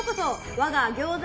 我が餃子